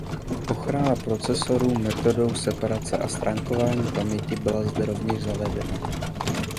Ochrana procesorů metodou separace a stránkování paměti byla zde rovněž zavedena.